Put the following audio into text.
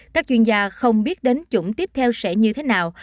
các chuyên gia không biết đến chủng tiếp theo sẽ như thế nào